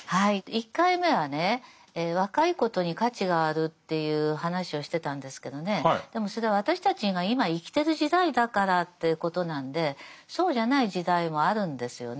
１回目はね若いことに価値があるっていう話をしてたんですけどねでもそれは私たちが今生きてる時代だからということなんでそうじゃない時代もあるんですよね。